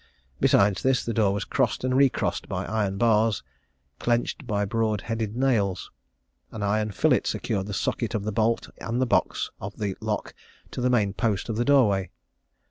Besides this, the door was crossed and recrossed by iron bars, clenched by broad headed nails. An iron fillet secured the socket of the bolt and the box of the lock to the main post of the door way.